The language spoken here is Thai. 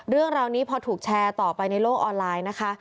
เรื่องราวนี้พอถูกแชร์ต่อไปในโลกออนไลน์นะคะ